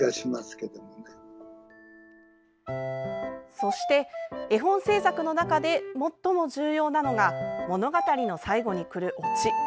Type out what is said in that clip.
そして絵本制作の中で最も重要なのが物語の最後にくるオチ。